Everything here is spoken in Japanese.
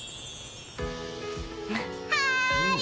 はい！